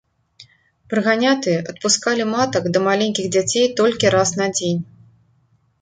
Прыганятыя адпускалі матак да маленькіх дзяцей толькі раз на дзень.